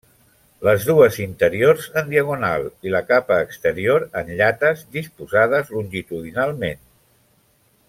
Les dues interiors en diagonal i la capa exterior en llates disposades longitudinalment.